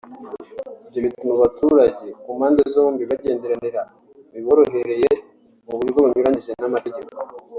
Ibyo bituma abaturage ku mpamde zombi bagenderanira biboroheye mu buryo bunyuranyije n’amategeko